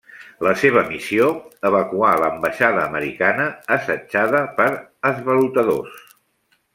La seva missió: evacuar l'ambaixada americana assetjada per esvalotadors.